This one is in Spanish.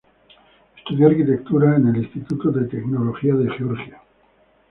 Estudió arquitectura en el Instituto de Tecnología de Georgia.